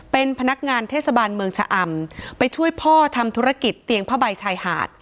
เป็นพนักงานเทศบาลเมืองชะอำไปช่วยพ่อทำธุรกิจเตียงผ้าใบชายหาด